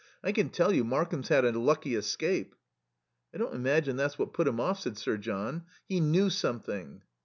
I can tell you Markham's had a lucky escape." "I don't imagine that's what put him off," said Sir John. "He knew something."